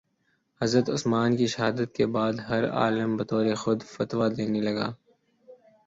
حضرت عثمان کی شہادت کے بعد ہر عالم بطورِ خود فتویٰ دینے لگا